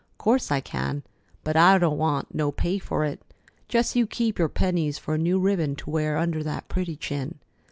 "'Course I can, but I don't want no pay for it. Just you keep your pennies for a new ribbon to wear under that pretty chin.